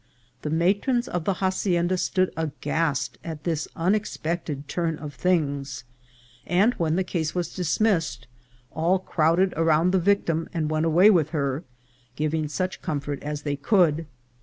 The matrons of the hacienda stood aghast at this unexpected turn of things ; and, when the case was dismissed, all crowded around the victim and went away with her, giving such comfort as they could.